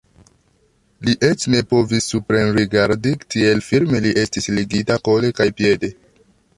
Li eĉ ne povis suprenrigardi, tiel firme li estis ligita kole kaj piede.